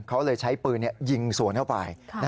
เขาเลยใช้ปืนยิงสวนเข้าไป